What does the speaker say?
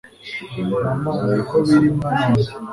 mama niko biri mwana wanjye